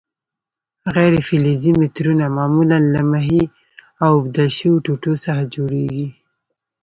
غیر فلزي مترونه معمولاً له محې او بدل شویو ټوټو څخه جوړیږي.